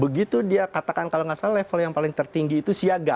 begitu dia katakan kalau nggak salah level yang paling tertinggi itu siaga